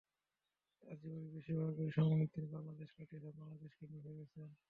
তাঁর জীবনের বেশির ভাগ সময়ই তিনি বাংলাদেশে কাটিয়েছেন, বাংলাদেশকে নিয়ে ভেবেছেন।